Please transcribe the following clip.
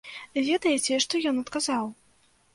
Ведаеце, што ён адказаў?